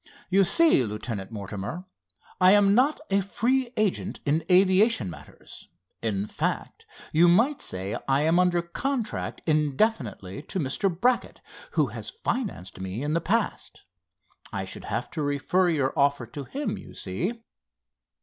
"You see, Lieutenant Mortimer, I am not a free agent in aviation matters. In fact, you might say I am under contract indefinitely to Mr. Brackett, who has financed me in the past. I should have to refer your offer to him, you see."